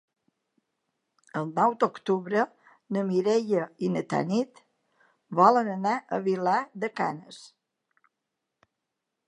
El nou d'octubre na Mireia i na Tanit volen anar a Vilar de Canes.